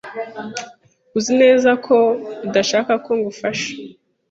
Uzi neza ko udashaka ko ngufasha?